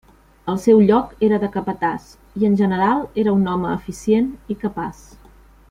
El seu lloc era de capatàs i en general era un home eficient i capaç.